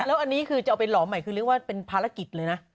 แล้วอันนี้คือจะเอาไปหล่อใหม่คือเรียกว่าเป็นภารกิจเลยนะ